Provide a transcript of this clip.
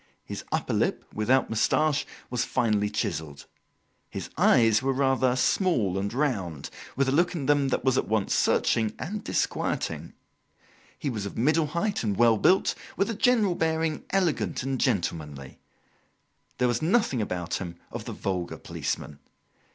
His upper lip, without moustache, was finely chiselled. His eyes were rather small and round, with a look in them that was at once searching and disquieting. He was of middle height and well built, with a general bearing elegant and gentlemanly. There was nothing about him of the vulgar policeman.